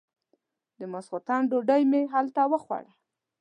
د ماسختن ډوډۍ مې هلته وخوړه.